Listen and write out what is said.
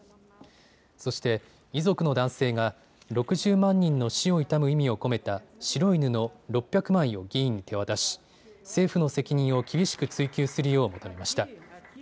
そして遺族の男性が６０万人の死を悼む意味を込めた白い布、６００枚を議員に手渡し政府の責任を厳しく追及するよう求めました。